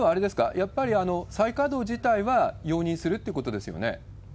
やっぱり再稼働自体は容認するっていうことですよね？